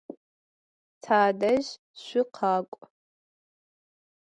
Tadej şsukhak'u!